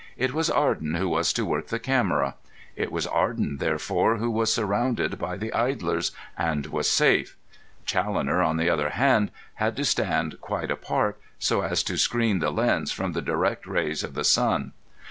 It was Arden who was to work the camera. It was Arden, therefore, who was surrounded by the idlers, and was safe. Challoner, on the other hand, had to stand quite apart, so as to screen the lens from the direct rays of the sun.